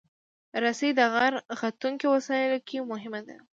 رسۍ د غر ختونکو وسایلو کې مهمه ده.